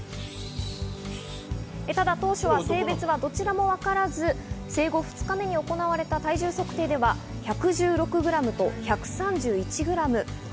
ただ当初は性別はどちらも分からず、生後２日目に行われた体重測定では、１１６ｇと１３１ｇ。